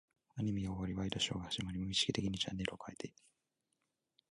アニメが終わり、ワイドショーが始まり、無意識的にチャンネルを変えて、